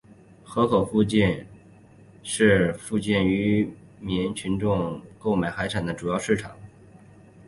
河口附近的那珂凑渔港鱼市场是附近民众购买海产的主要市场。